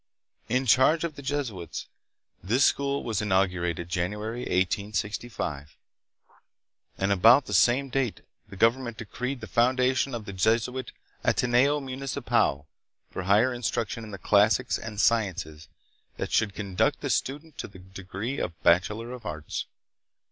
In charge of the Jesuits, this school was inaugurated in January, 1865. And about the same date the government decreed the foundation of the Jesuit "Ateneo Municipal" for higher instruction in the classics and sciences that should conduct the student to the degree of bachelor of arts.